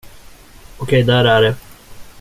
Okej, där är det.